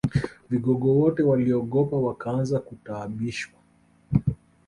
Vigogo wote waliogopa wakaanza kutaabishwa